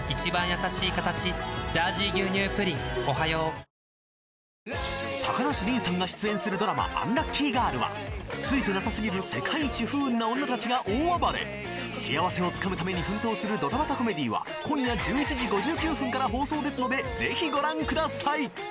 このあと高梨臨さんが出演するドラマ『アンラッキーガール！』はついてなさすぎる世界一不運な女達が大暴れ幸せをつかむために奮闘するドタバタコメディーは今夜１１時５９分から放送ですのでぜひご覧下さい！